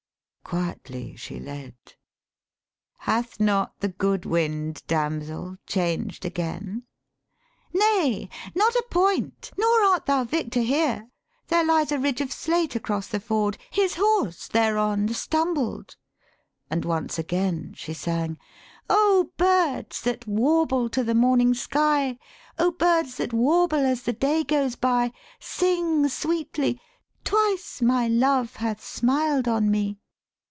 Quietly she led. 'Hath not the good wind, damsel, changed again?' 'Nay, not a point: nor art thou victor here. There lies a ridge of slate across the ford; His horse thereon stumbled and once again she sang: '" O birds, that warble to the morning sky, O birds that warble as the day goes by, Sing sweetly; twice my love hath smiled on me."